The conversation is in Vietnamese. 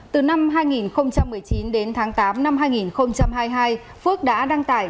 từ năm hai nghìn một mươi chín đến tháng tám năm hai nghìn hai mươi hai phước đã đăng tải